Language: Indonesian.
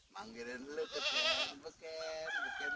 manggilin lu ke beken beken